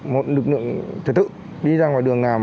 một lực lượng trật tự đi ra ngoài đường nàm